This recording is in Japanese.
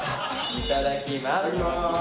いただきます。